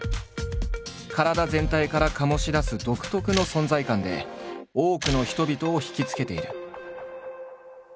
体全体から醸し出す独特の存在感で多くの人々を惹きつけている。